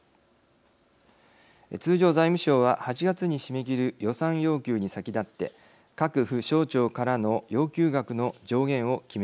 通常財務省は８月に締め切る予算要求に先立って各府省庁からの要求額の上限を決めます。